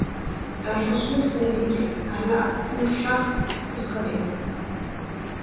La chanson s'érige à la aux charts australiens.